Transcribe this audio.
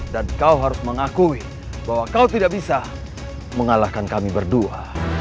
dan kau harus mengakui bahwa kau tidak bisa mengalahkan kami berdua